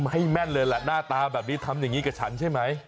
ให้แม่นเลยแหละหน้าตาแบบนี้ทำอย่างนี้กับฉันใช่ไหม